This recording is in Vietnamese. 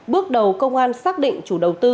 bước đầu công an xác định chủ đầu tư